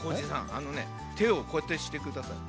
あのねてをこうやってしてください。